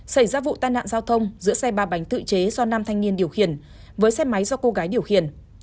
xảy ra vụ tai nạn giao thông giữa xe ba bánh tự chế do nam thanh niên điều khiển với xe máy do cô gái điều khiển